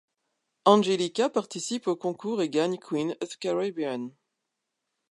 Angélica participe au concours et gagne Queen of Caribbean.